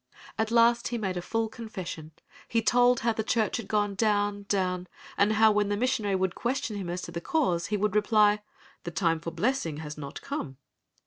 At last he made a full confession. He told how the church had gone down, down, and how when the missionary would question him as to the cause he would reply, "The time for blessing has not come."